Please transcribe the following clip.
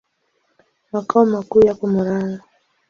Makao makuu yako Murang'a.